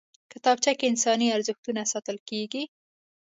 کتابچه کې انساني ارزښتونه ساتل کېږي